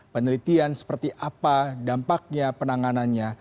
penelitian seperti apa dampaknya penanganannya